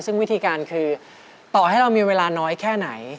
ซึ่งวิธีการคือต่อให้เรามีเวลาน้อยแค่ไหน